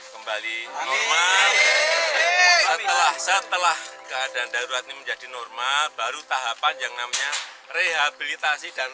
kembali setelah keadaan darurat menjadi normal baru tahapan yang namanya rehabilitasi dan